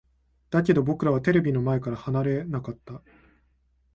だけど、僕らはテレビの前から離れなかった。